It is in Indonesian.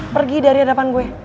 pergi dari hadapan gue